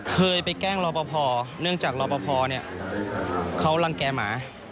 เคยไปแกล้งรอปภเนื่องจากรอปภเขารังแก่หมา